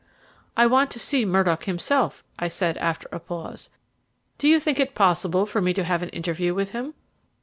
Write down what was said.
"I want to see Murdock himself," I said, after a pause. "Do you think that it is possible for me to have an interview with him?"